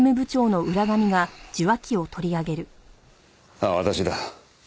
ああ私だ。